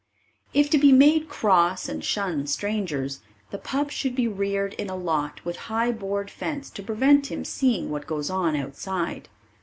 If to be made cross and shun strangers, the pup should be reared in a lot with high board fence to prevent him seeing what goes on outside.